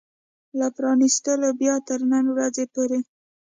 له پرانيستلو بيا تر نن ورځې پورې